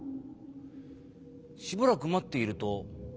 しばらく待っていると。